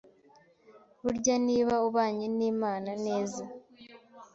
Burya niba ubanye n’Imana neza